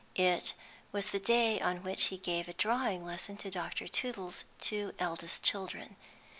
It was the day on which he gave a drawing lesson to Dr. Tootle's two eldest children.